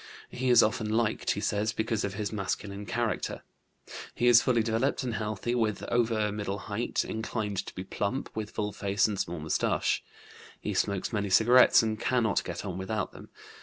He is often liked, he says, because of his masculine character. He is fully developed and healthy, well over middle height, inclined to be plump, with full face and small moustache. He smokes many cigarettes and cannot get on without them.